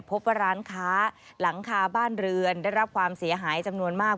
พบว่าร้านค้าหลังคาบ้านเรือนได้รับความเสียหายจำนวนมาก